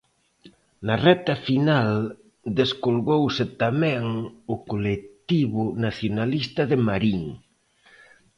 Na recta final descolgouse tamén o Colectivo Nacionalista de Marín.